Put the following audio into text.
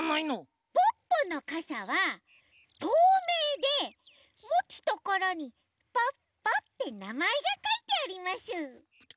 ポッポのかさはとうめいでもつところに「ポッポ」ってなまえがかいてあります。